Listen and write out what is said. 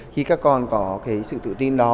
khi các con có cái sự tự tin đó